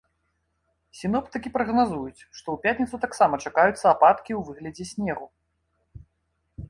Сіноптыкі прагназуюць, што ў пятніцу таксама чакаюцца ападкі ў выглядзе снегу.